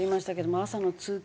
朝の通勤